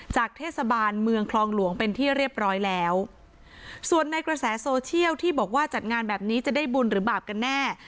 จากเทศบาลเมืองคลองหลวงเป็นที่เรียบร้อยแล้วส่วนในกระแสโซเชียลที่บอกว่าจัดงานแบบนี้จะได้บุญหรือบาปกันแน่